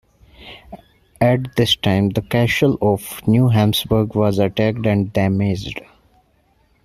At this time the castle of Neu Habsburg was attacked and damaged.